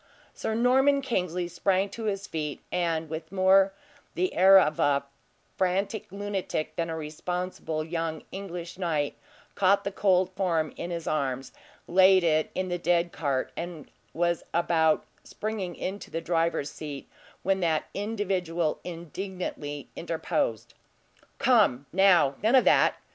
Sir Norman Kingsley sprang to his feet, and with more the air of a frantic lunatic than a responsible young English knight, caught the cold form in his arms, laid it in the dead cart, and was about springing into the driver's seat, when that individual indignantly interposed. "Come, now; none of that!